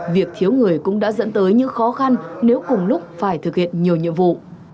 việc thiếu người cũng đã dẫn tới những khó khăn nếu cùng lúc phải thực hiện nhiều nhiệm vụ